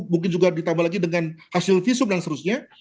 mungkin juga ditambah lagi dengan hasil visum dan seterusnya